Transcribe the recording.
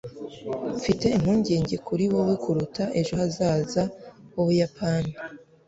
mfite impungenge kuri wewe kuruta ejo hazaza h'ubuyapani